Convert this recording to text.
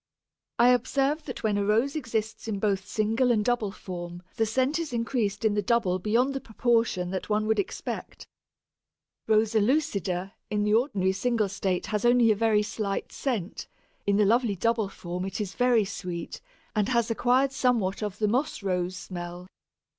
I observe that when a Rose exists in both single and double form the scent is increased in the double beyond the proportion that one would expect. Rosa lucida in the ordinary single state has only a very slight scent; in the lovely double form it is very sweet, and has acquired somewhat of the Moss rose smell.